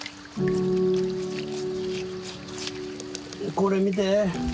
これ見て。